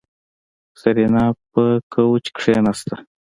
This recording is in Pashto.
سېرېنا په کوچ کېناسته.